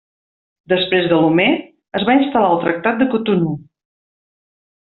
Després de Lomé, es va instal·lar el Tractat de Cotonou.